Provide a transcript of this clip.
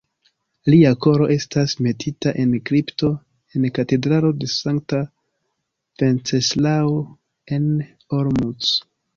Lia koro estas metita en kripto en Katedralo de sankta Venceslao en Olomouc.